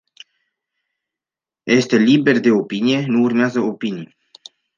Este lider de opinie, nu urmează opinii.